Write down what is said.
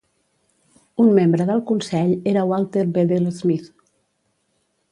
Un membre del consell era Walter Bedell Smith.